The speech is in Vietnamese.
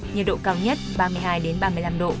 nhiệt độ cao nhất ba mươi hai ba mươi năm độ